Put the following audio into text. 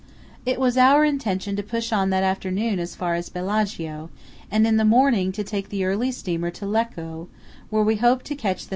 It was our intention to push on that afternoon as far as Bellaggio, and in the morning to take the early steamer to Lecco, where we hoped to catch the 9.